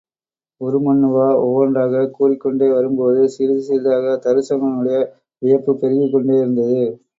உருமண்ணுவா ஒவ்வொன்றாகக் கூறிக் கொண்டே வரும்போது சிறிது சிறிதாகத் தருசகனுடைய வியப்புப் பெருகிக்கொண்டே இருந்தது.